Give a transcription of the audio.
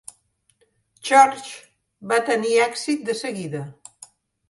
"Church" va tenir èxit de seguida.